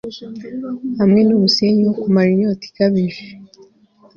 hamwe numusenyi wo kumara inyota ikabije